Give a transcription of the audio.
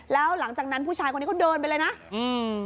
แล้วหลังจากนั้นผู้ชายคนนี้เขาเดินไปเลยนะอืม